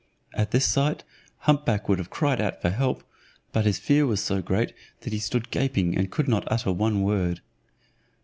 At this sight, hump back would have cried out for help, but his fear was so great, that he stood gaping and could not utter one word.